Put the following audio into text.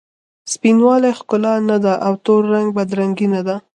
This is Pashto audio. سپین والې ښکلا نه ده او تور رنګ بد رنګي نه ده.